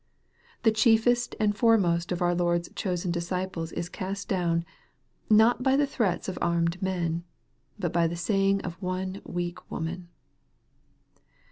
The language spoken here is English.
The chiefest and foremost of our Lord's chosen disciples is cast down, not by the threats of armed men, but by the saying of one weak woman